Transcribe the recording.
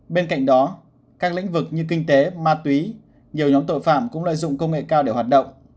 bên cạnh đó các lĩnh vực như kinh tế ma túy nhiều nhóm tội phạm cũng lợi dụng công nghệ cao để hoạt động